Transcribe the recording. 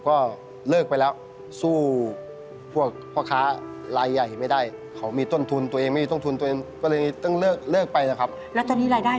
ขึ้นเสาร์ขึ้นอะไรไป